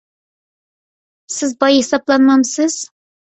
سىز باي ھېسابلانمامسىز؟